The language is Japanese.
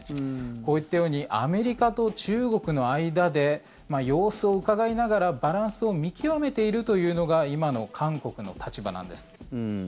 こういったようにアメリカと中国の間で様子をうかがいながらバランスを見極めているというのが今の韓国の立場なんです。